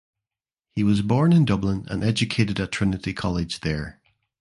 He was born in Dublin and educated at Trinity College there.